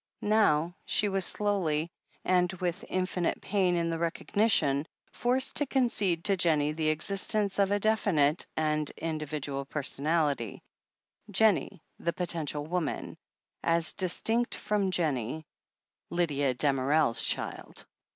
Now, she was slowly, and with infinite pain in the recognition, forced to concede to Jennie the exist ence of a definite and individual personality — ^Jennie, the potential woman, as distinct from Jennie, Lydia Damerel's child.